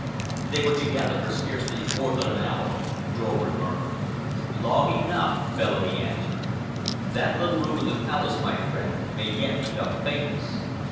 "They were together for scarcely more than an hour," Dorward murmured. "Long enough," Bellamy answered. "That little room in the Palace, my friend, may yet become famous."